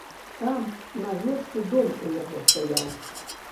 Там, на версе дом у яго стаяў.